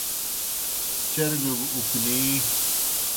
چربِیو گہ اُکنی۔